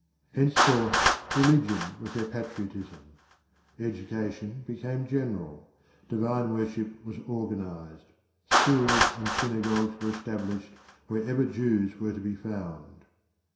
Henceforth religion was their patriotism. Education became general: divine worship was organised: schools and synagogues were established wherever Jews were to be found.